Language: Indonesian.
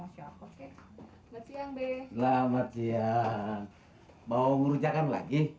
siang bela mati ya mau nguruskan lagi